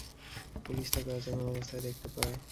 Police তাকে অচেতন অবস্থায় দেখতে পায়।